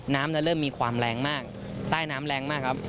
น้ำเริ่มมีความแรงมากใต้น้ำแรงมากครับ